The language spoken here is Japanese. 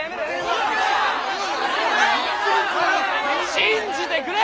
信じてくれ！